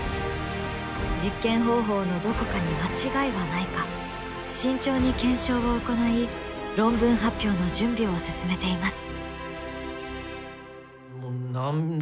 実験方法のどこかに間違いはないか慎重に検証を行い論文発表の準備を進めています。